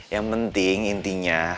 yang penting intinya